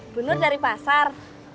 bu nur dari pasar